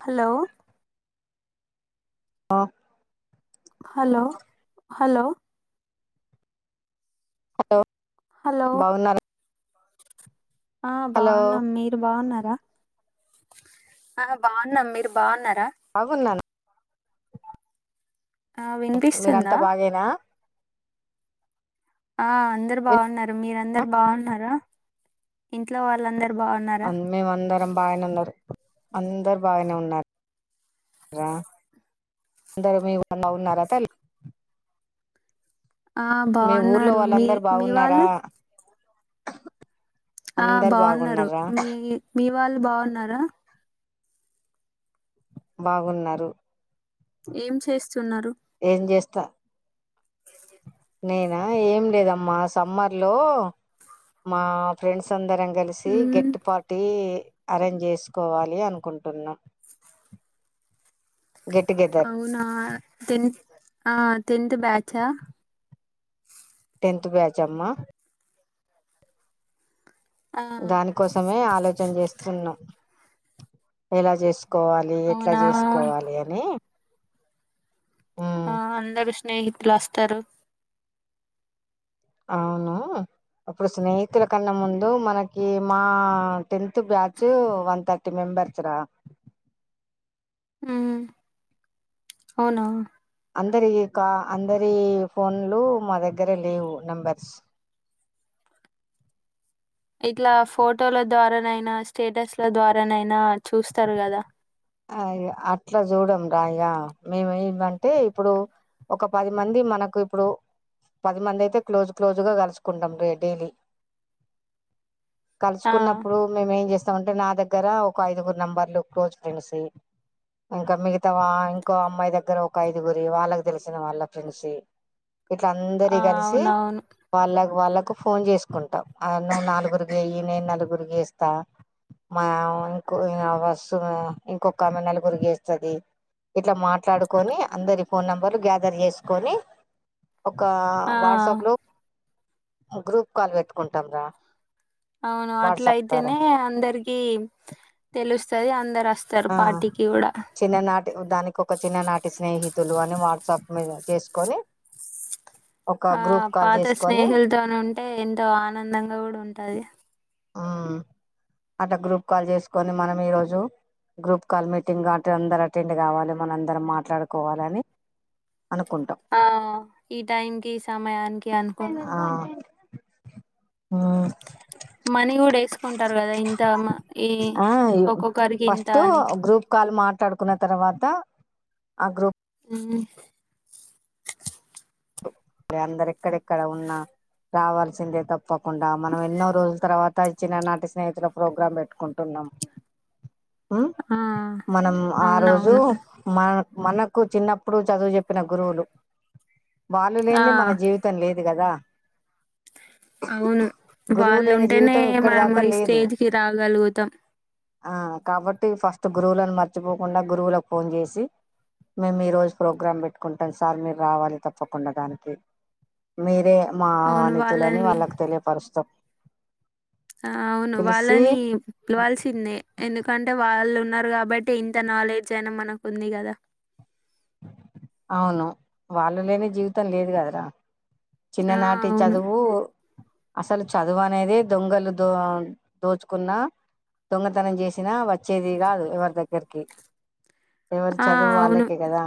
Hello ఆహ hello hello hello hello ఆ hello బాగున్నాం మీరు బాగున్నారా ఆ బాగున్నాం మీరు బాగున్నారా బాగున్నాను ఆ మీరంతా వినిపిస్తుందా బాగేనా ఆ అందరు బాగున్నారు మీరందరు బాగున్నారా ఇంట్లో వాళ్ళందరు బాగున్నారా మేము అందరం బాగానే ఉన్నారు అందరు బాగానే ఉన్నారు రా అందరు మీ ఊళ్లో ఉన్నారా తలి ఆ బాగున్నారు మీ వాళ్ళందరు మీ బాగున్నారా వాళ్ళు ఆ అందరు బాగున్నారు బాగున్నారా మీ మీ వాళ్ళు బాగున్నారా బాగున్నారు ఏం చేస్తున్నారు తా నేనా ఏం లేదమ్మా సమ్మర్లో మా ఫ్రెండ్స్ అందరం కా కలిసి మ్మ్ గేట్టు పార్టీ అరేంజ్ చేసుకోవాలి అనుకుంటున్నాము అవునా టెన్త్ ఆ టెన్త్ బ్యాచ్ అ టెన్త్ బ్యాచ్ అమ్మా ఆ దానికోసమే ఆలోచన చేస్తున్నాం ఎలా చేసు కోవాలి ఎట్లా అవునా చేసుకోవాలి అని ఉమ్ ఆ అందరూ స్నేహితులు వస్తారు అవును అప్పుడు స్నేహితుల కన్నా ముందు మనకి మా tenth batch one thirty members రా ఉ అవునా అందరి కా అందరి ఫోన్లు మా దగ్గర లేవు నంబర్స్ [inaudible] ఇట్లా ఫోటోల ద్వారా నైనా స్టేటస్ ల ద్వారా నైనా చూస్తారు గదా. అ ఇగ అట్లా చూడం రా ఇగ మేము ఏంమంటే ఇప్పుడు. ఒక పది మంది మనకు ఇప్పుడు పది మంది అయితే క్లోజ్ క్లోజ్ గా కలుసుకుంటాం రే డైలీ. ఆ కలుసుకున్నప్పుడు మేము ఏం చేస్తాం అంటే నా దగ్గర ఒక ఐదుగురు నెంబర్లు క్లోజ్ ఫ్రెండ్స్వి. ఇంకా మిగతా వా ఇంకో అమ్మాయి దగ్గర ఒక ఐదుగురివి వాళ్ళకి తెలిసిన వాళ్ళ ఫ్రెండ్స్వి. ఇట్లా అందరి ఆ కలిసి అవునవును వాళ్ళ వాళ్ళకు ఫోన్ చేసుకుంటావ్ ఆ నువ్వు నలుగురుగేయి నేను నలుగురికి గేస్తా. మా ఇంకో ఆ వస్తుంది కదా ఇంకొక ఆమె నలుగురికి చేస్తది. ఇట్లా మాట్లాడుకొని అందరి ఫోన్ నెంబర్లు గ్యాదర్ చేసుకొని. ఒక ఆ వాట్సాప్ లో ఓ గ్రూప్ కాల్ పెట్టుకుంటాం రా అవును అట్లా వాట్సాప్ ద్వారా అయితేనే అందరికి తెలుస్తది అందరు వస్తారు ఆ పార్టీకి కూడా చిన్ననాటి దానికి ఒక చిన్ననాటి స్నేహితులు అన్ అని వాట్సాప్ మీద చేసుకొని ఒక ఆ గ్రూప్ కాల్ పాత చేసుకొని స్నేహిలతో ఉంటే ఎంతో ఆనందంగా కూడా ఉంటది. ఆ అట్లా గ్రూప్ కాల్ చేసుకొని మనం ఈ రోజు గ్రూప్ కాల్ మీటింగ్ కావట్టి అందరు అటెండ్ కావాలి మన అందరం మాట్లాడుకోవాలని. అనుకుంటాం ఆ ఈ టైమ్ కి ఈ సమయానికి అనుకోని ఆ ఉ మనీ కూడా వేసుకుంటారు కదా ఇంత మ ఈ ఆ ఒక్కొక్కరికి ఇంత ఫస్ట్ అని. గ్రూప్ కాల్ మాట్లాడుకున్న తర్వాత ఆ గ్రూప్ ఉ లే అందరు ఎక్కడెక్కడ ఉన్నా రావాల్సిందే తప్పకుండా మనం ఎన్నో రోజుల తర్వాత ఇచ్చిననాటి స్నేహితుల ప్రోగ్రాం పెట్టుకుంటున్ ఉ ఆ మనం ఆ రోజు అవునవును మ మనకు చిన్నప్పుడు చదువు చెప్పిన గురువులు వాళ్ళు లేనిదే ఆ మన జీవితం లేదు కదా [inaudible] అవును గురువు వాళ్ళు లేని ఉంటేనే జీవితం ఇక్కడ మనము దాకా ఈ లేదు స్టేజ్కిి రాగలుగుతామ్. ఆ కాబట్టి ఫస్ట్ గురువులను మర్చిపోకుండా గురువులకు ఫోన్ చేసి. మేము ఈ రోజు ప్రోగ్రామ్ పెట్టుకుంటాం సార్ మీరు రావాలి తప్ తప్పకుండా దానికి మీరే మా అవును ఆనితులని వాళ్ళని వాళ్ళకి తెలియపరుస్తమ్. ఆ అవును వాళ్ళని పిలవల్సిందే ఎందుకంటే వాళ్ళు ఉన్ న్నారు కాబట్టి ఇంత నాలెడ్జ్ అయినా మనకు ఉంది కదా. అవును వాళ్ళు లేని జీవితం లేదు కదరా ఆ చిన్ననాటి అవును చదువు అసలు చదువు అనేది దొంగలు దో దోచుకున్న దొంగతనం చేసినా వచ్చేది కాదు ఎవరి దగ్గరికి ఎవరి ఆ చదువు అవును వాళ్ళకే కదా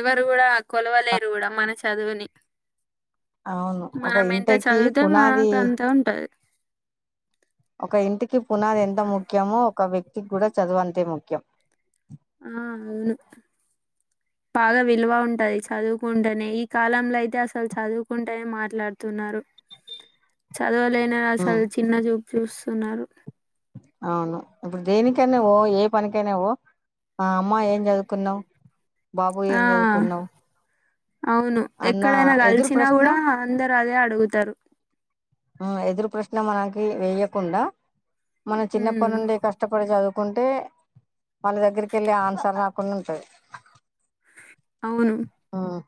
ఎవరు కూడా కొలవలేరు కూడా మన చదువుని అవును ఒక మనం ఎంత ఇంటకి చదివితే మాకు పునాది అంత ఉంటది ఒక ఇంటికి పునాది ఎంత ముఖ్యమో ఒక వ్యక్తికి కూడా చదువు అంతే ముఖ్యం ఆ అవును బాగా విలువ ఉంటది చదువుకుంటేనే ఈ కాలంలో అయితే అసలు చదువుకుంటేనే మాట్లాడుతున్నారు అదవలనా ఉమ్ అసలు చిన్న చూపు చూస్తున్నారు అవును ఇప్పుడు దేనికైనావో ఏ పనికైనావో ఆ అమ్మా ఏం చదువుకున్నావు బాబు ఏం ఆ చదువుకున్నావు అవును అన్న ఎక్కడైనా ఎదురు కలిసినా ప్రశ్న కూడా అందరు అదే అడుగుతారు ఆ ఎదురు ప్రశ్న మనకి వెేయకుండా మనం హ్మ్. చిన్నప్పటి నుండి కష్టపడి చదువు కుంటే వాళ్ళ దగ్గరికి వెళ్ళి ఆన్సర్ రాకుండా ఉంటది అవును ఉమ్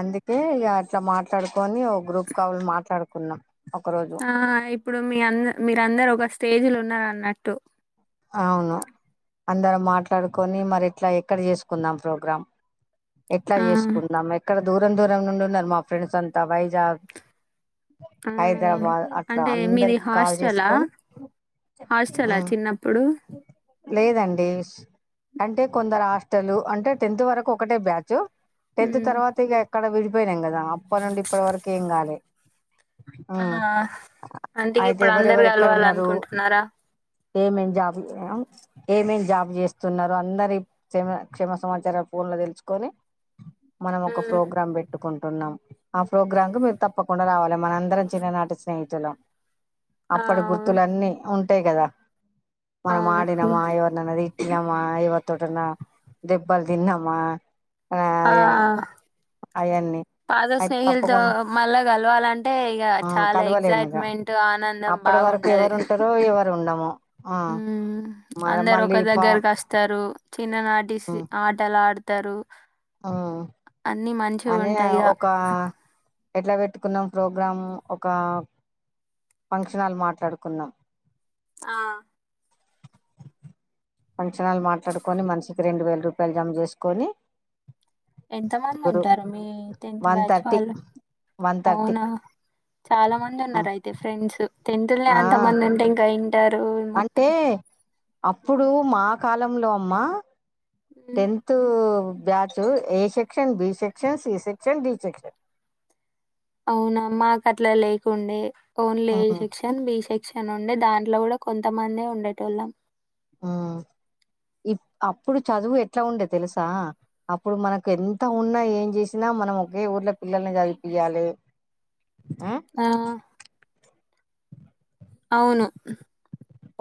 అందుకే ఇక అట్లా మాట్లాడుకొని ఓ గ్రూప్ కావాళ మాట్లాడుకున్నాం ఒక రోజు ఆ ఇప్పుడు మీ అంద మీరందరు ఒక స్టేజీలు ఉన్నరూ అన్నట్టు అవును అందరూ మాట్లాడుకొని మరి ఇట్లా ఎక్కడ చేసుకుందాం ప్రోగ్రాం ఎట్లా ఆ! చేసుకుందాం ఎక్కడ దూరం దూరం నుండి ఉన్నారు మా ఫ్రెండ్స్ అంతా వైజాగ్ ఆ హైదరాబాద్ అట్లా అంటే మీది అందరికి కాల్ హాస్టలా చేసుకొని ఆ హాస్టలా చిన్నప్పుడు లేదండి అంటే కొందరు హాస్టల్ అంటే టెన్త్ వరకు ఒకటే బ్యాచ్ టెన్త్ హ్మ్. తర్వాత ఇక ఎక్కడ విడిపోయినం కదా అప్ప నుండి ఇప్పటి వరకు ఏం కాలే ఆ అంటే అయితే ఇప్పుడు అందరూ ఎవరేవరు ఎక్కడ ఉన్నారు గలవాలనుకుంటున్నారా? ఏమ్ ఎం జాబ్ ఏమేం జాబ్ చేస్తున్నారో అందరి క్షే క్షేమ సమాచార ఫోన్ లో తెలుసుకొని మనం ఒక హ్మ్. ప్రోగ్రామ్ పెట్టుకుం టున్నాము ఆ ప్రోగ్రామ్ కు మీరు తప్పకుండా రావాలి మన అందరం చిన్ననాటి స్నేహితులు ఆ! అప్పుడు గుర్తులున్నీ ఉంటాయి కదా మనం అవును. ఆడినమ హ్మ్. ఎవరినన్నా తిట్టినమా ఎవరితోటన్న దెబ్బల్ దిన్నమ్మా ఆ అయన్నీ పాత స్నేహిలతో మళ్ళా కలవాలంటే ఇక ఆ చాలా ఎక్సైట్మెంట్ ఆనందం బా అప్పటివరకు ఎవరు ఉంటారో ఎవరు ఉండము ఆ హ్మ్. మ అందరు ఒక మళ్ళీ పా దగ్గరకి వస్తారు చిన్ననాటి ఆటలు ఆడతారు ఆ అని మంచిగుంటాయిగ. ఒక ఎట్లా పెట్టుకున్నాం ప్రోగ్రాం ఒక ఫంక్షన్ హాల్ మాట్లాడుకున్నాం ఆ ఫంచనాలు మాట్లాడుకొని మనిషికి రెండు వేల రూపాయలు జమ చేసుకొని ఎంత మంది గురు ఉంటారు మీ టెన్త్ వన్ బ్యాచ్ థర్టీ వాళ్ళు వన్ తర్టీ అవునా! చాలా మంది ఉన్నారు అయితే ఫ్రెండ్స్ టెంతుల్నే ఆ అంతమంది ఉంటే ఇంకా ఇంటరు అంటే మొత్తం అప్పుడు హ్మ్. మా కాలంలో అమ్మా హ్మ్. Tenth batch A section B section C section D section అవునా మాకు అట్లా లేకుండే only A um section B section section ఉండే దాంట్లో కూడా కొంతమంది ఉండేట వాళ్ళం ఆ ఇ అప్పుడు చదువు ఎట్లా ఉండే తెలుసా అప్పుడు మనకు ఎంత ఉన్నా ఏం చేసినా మనం ఒకే ఊర్లో పిల్లల్ని చదిపియాలే ఆ అవును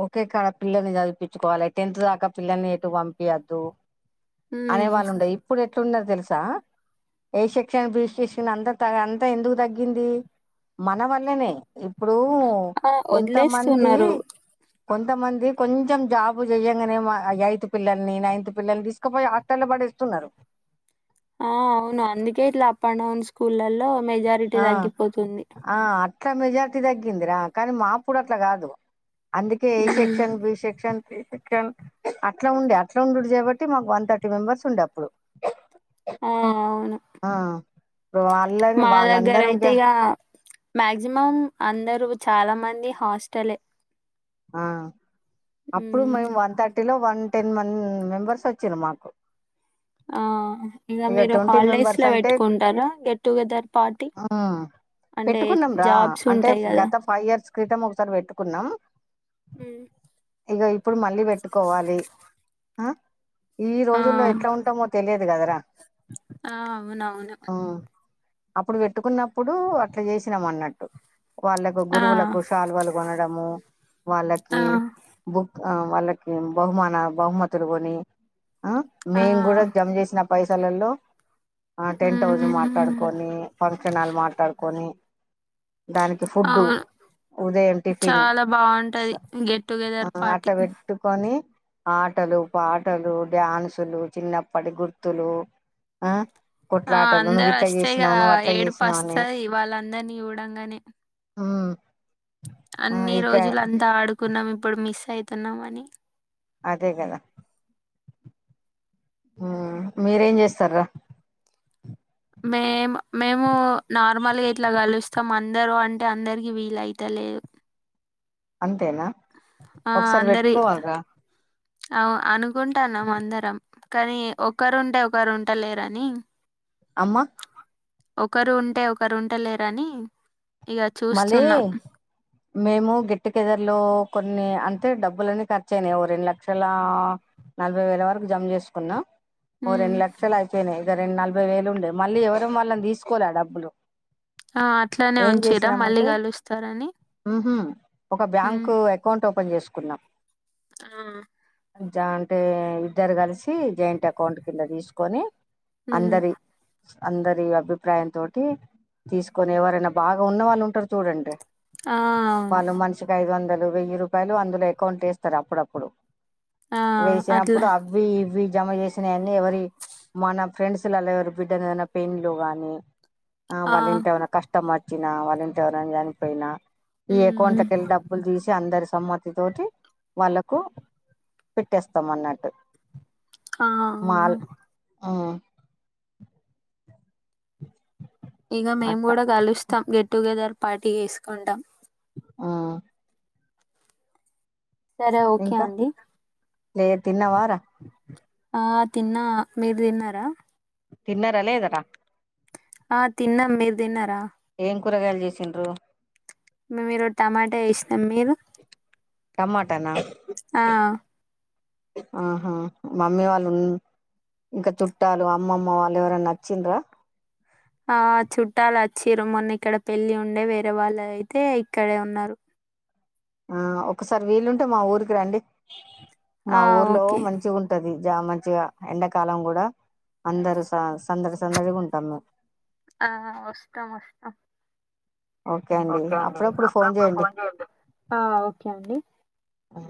ఓకే కాడ పిల్లల్ని చదిపించుకోవాలి టెన్త్ దాకా పిల్లల్ని ఎటు పంపియద్దు అనే హ్మ్. వాళ్ళు ఉండేది ఇప్పుడు ఎట్లున్నది తెలుసా ఏ షేక్షన్ బి సెక్షన్ అంత త అంత ఎందుకు తగ్గింది. మన వల్లనే ఇప్పుడు ఆ! కొంతమంది వదిలేస్తున్నారు. కొంతమంది కొంచెం జాబు చెయ్యంగానే ఎయిత్ పిల్లల్ని, నైన్త్ పిల్లల్ని తీసుకపోయి హాస్టల్లా పడేస్తున్నరు ఆ అవును అందుకే ఇట్లా అప్ డౌన్ స్కూళ్లలో మెజారిటీ ఆ తగ్గిపోతుంది. ఆ అట్లా మెజార్టీ తగ్గిందిరా కానీ మాప్పుడు అట్ల కాదు అందుకే A um section B section A section అట్లా ఉండే అట్లా ఉండుడు చేపట్టి మాకు వన్ థర్టీ మెంబర్స్ ఉండే అప్పుడు ఆ అవును ఆ ఇప్పుడు వాళ్ళని మా దగ్గర అయితే వాళ్ళందరంగా ఇగ మాక్సిమం అందరు చాలా మంది హాస్టలే ఆ అప్పుడు ఉమ్ మేము వన్ థర్టీ లో వన్ టెన్ మేం మెంబర్స్ వచ్చెది మాకు ఆ ఇగ ఇక మీరు ట్వంటీ హాలిడేస్ మెంబర్స్ లో అంటే పెట్టుకుంటరా get together party um అంటే పెట్టుకున్నాం రా జాబ్స్ అంటే ఉంటాయి కదా గత ఫైవ్ ఇయర్స్ క్రితం ఒకసారి పెట్టుకున్నాం ఇగ ఇప్పుడు మళ్ళీ పెట్టుకోవాలి. ఆ ఇన్ని ఆ రోజుల్లో ఎట్లా ఉంటామో తెలియదు గదరా ఆ అవునవును అప్పుడు పెట్టుకున్నప్పుడు అట్లా చేసినం అన్నట్టు వాళ్ళకు ఆ గురువులకు షాలువలు కొనడము ఆ వాళ్ళకి బు ఆ వాళ్ళకి బహుమాన బహుమతులు కొని ఆ ఆ మేము గుడా జమ చేేసిన పైసలలో ఆ టెంట్ హౌజ్ ఉమ్ మాట్లాడుకొని జనాలు మాట్లాడుకొని దానికి ఫుడ్డు అవును ఉదయం టిఫిన్ చాలా స బాగుంటది గెట్ ఆ టుగెదర్ పార్టీ అట్లా పెట్టుకొని ఆటలు, పాటలు, డ్యాన్సులు, చిన్నప్పటి గుర్తులు ఆ ఆ కొట్లాటలు నువ్వు అందరు ఇట్లా వస్తే ఇగ చేసినావు నువ్వు అట్లా ఏడుపు చేసినావు అని వస్తది వాళ్ళందరినీ చూడంగానే హ్మ్ అన్ని రోజులు అంతా ఆడుకున్నాం ఇప్పుడు మిస్ అయితున్నాం అని అదే కదా ఆ మీరేం చేస్తర్రా మేమ్ మే మేము నార్మల్గా ఇట్లా కలుస్తం అందరు అంటే అందరికి వీలయిత లేదు అంతేనా ఒకసారి అందరి పెట్కోవలరా అవు అనుకుంటాన్నాం అందరం కానీ ఒకరుంటే ఒకరు ఉంట లేరని అమ్మా ఒకరు ఉంటే ఒకరు ఉంటలేరని ఇగ మళ్ళీ చూస్తున్నాం మేము గేట్ టు గెదర్లో కొన్ని అం అయితే డబ్బులన్నీ ఖర్చు అయినాయి ఓ రెండు లక్షల నలభై వేల వరకు జమ చేసుకున్నం ఓ ఉమ్ రెండు లక్షలు అయిపోయినాయి ఇగ రెండు నలభై వేలు ఉండే మళ్ళీ ఎవరమ్ వాళ్ళని తీసుకోలె ఆ డబ్బులు ఆ అట్లానే ఉంచిర్రా హ్మ్ హు ఒక ఉమ్ బ్యాంక్ అకౌంట్ ఓపెన్ చేసుకున్నా ఆ జయింటె ఇద్దరు కలిసి జాయింట్ అకౌంట్ కింద తిసుకొని మ్మ్ అందరి అభిప్రాయం తోటి తీసుకొని ఎవరన్న బాగా ఉన్న వాళ్ళు ఉంటరు చూడండర్రా ఆ అవును వాళ్ళు మనిషికి ఐదు వందలు, వెయ్యి రూపాయలు అందులో అకౌంట్లేస్తరు అప్పుడప్పుడు ఆ వేసే అట్లా అప్పుడు అవి ఇవి జమ చేసినయన్నీ ఎవరి మన ఫ్రెండ్స్ లల్లా ఎవరి బిడ్డదైనా పెండ్లో గాని ఆ వాళ్ళు ఇంతవమనా కష్టం వచ్చినా వాళ్ళ ఇంత ఎవనా చనిపోయినా ఈ హ్మ్ కోంటకి డబ్బులు తీసి అందరి సమ్మతి తటి వాళ్ళకు పెట్టేస్తాం అన్నట్టు ఆ అవునా మాల్ ఆ ఇక మేము అట్ట కూడా కలుస్తాం గెట్టుగెదర్ పార్టీ వేసుకుంటాం ఆ సరే ఓకే ఇంకా అండి లే తిన్న వార ఆ తిన్నా మీరు తిన్నారా తిన్నారా లేదా రా ఆ తిన్న మీరు తిన్నారా ఇం కూరగాయలు చేసిండ్రు మీరు టమాటా వేసినాం మీరు టమాటనా ఆ ఆహా మమ్మీ వాళ్ళు ఉ ఇంకా చుట్టాలు అమ్మమ్మ వాళ్ళు ఎవరైనా నచ్చింద్రా ఆ చుట్టాలు వచ్చిర మొన్న ఇక్కడ పెళ్ళి ఉండే వేరే వాళ్ళు అయితే ఇక్కడే ఉన్నారు ఆ ఒకసారి వీలుుంటే మా ఊరికి రండి ఆ మా ఊర్లో ఓకే మంచి ఉంటది మ మంచిగా ఎండాకాలం కూడా అందరుూ స సందడి సందడిగా ఉంటాము మేము ఆ వస్తాం వస్తాం ఓకే అండి అప్పుప్పుడు ఫోన్ చేడి ఓకే అండి ఆ